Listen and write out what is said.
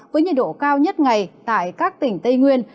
với nhiệt độ cao nhất ngày tại các tỉnh tây nguyên